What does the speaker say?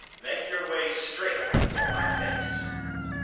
Make your way straight before my face.